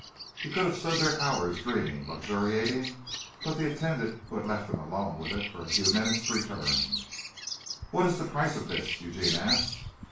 He could have stood there hours dreaming, luxuriating, but the attendant who had left him alone with it for a few minutes returned. "What is the price of this?" Eugene asked.